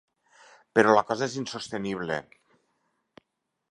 Però la cosa és insostenible.